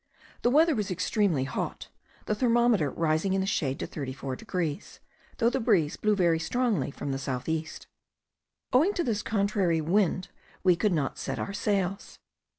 The weather was extremely hot; the thermometer rising in the shade to 34 degrees, though the breeze blew very strongly from the south east. Owing to this contrary wind we could not set our sails.